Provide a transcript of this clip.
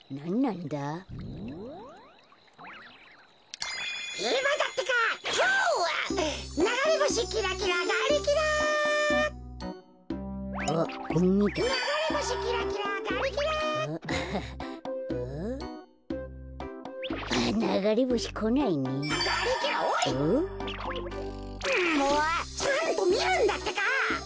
んもうちゃんとみるんだってか。